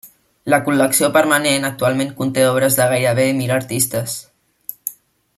La col·lecció permanent actualment conté obres de gairebé mil artistes.